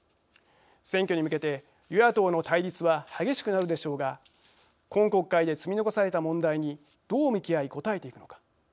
選挙に向けて与野党の対立は激しくなるでしょうが今国会で積み残された問題にどう向き合い、こたえていくのか。